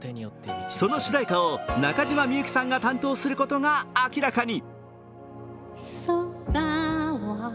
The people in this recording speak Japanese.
その主題歌を中島みゆきさんが担当することが明らかに。